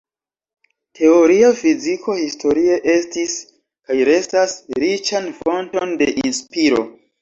Teoria fiziko historie estis, kaj restas, riĉan fonton de inspiro.